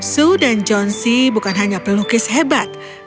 sue dan john c bukan hanya pelukis hebat